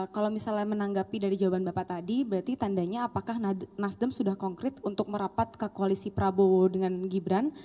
kalau misalnya menanggapi dari jawaban bapak tadi berarti tandanya apakah nasdem sudah konkret untuk merapat ke koalisi prabowo dengan gibran